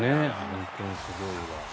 本当にすごいわ。